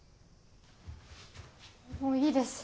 もういいです！